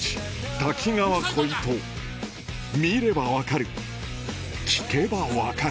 瀧川鯉斗見れば分かる聴けば分かる